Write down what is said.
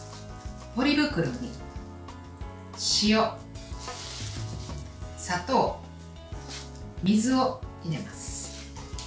ポリ袋に塩、砂糖、水を入れます。